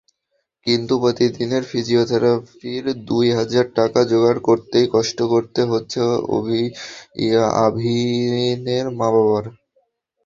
কিন্তু প্রতিদিনের ফিজিওথেরাপির দুই হাজার টাকা জোগাড় করতেই কষ্ট করতে হচ্ছে আভিনের মা-বাবার।